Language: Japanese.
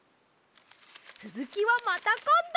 つづきはまたこんど。